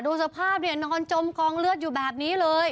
สภาพเนี่ยนอนจมกองเลือดอยู่แบบนี้เลย